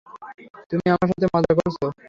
তুমি আমার সাথে মজা করছো?